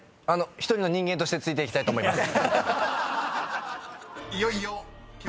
１人の人間としてついていきたいと思います。